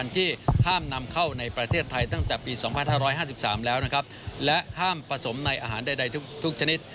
ที่ห้ามนำเข้าในประเทศไทยตั้งแต่ปี๒๕๕๓แล้วนะครับและห้ามผสมในอาหารใดทุกชนิด